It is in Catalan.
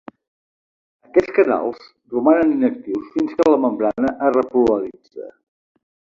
Aquests canals romanen inactius fins que la membrana es repolaritza.